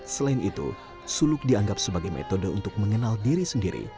selain itu suluk dianggap sebagai metode untuk mengenal diri sendiri